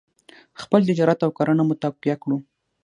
خپل تجارت او کرنه مو تقویه کړو.